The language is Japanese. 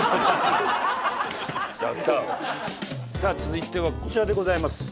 さあ続いてはこちらでございます。